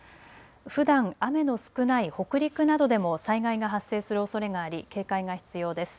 ふだん雨の少ない北陸などでも災害が発生するおそれがあり警戒が必要です。